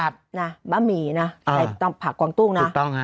บะหมี่นะผักกวางตู้งนะ